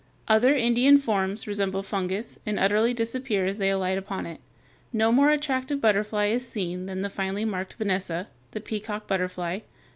Other Indian forms resemble fungus, and utterly disappear as they alight upon it. No more attractive butterfly is seen than the finely marked Vanessa, the peacock butterfly (Fig.